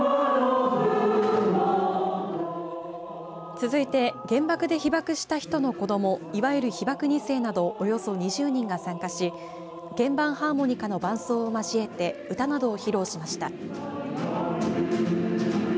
続いて原爆で被爆した人の子どもいわゆる被爆２世などおよそ２０人が参加し鍵盤ハーモニカの伴奏を交えて歌などを披露しました。